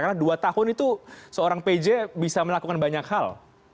karena dua tahun itu seorang pg bisa melakukan banyak hal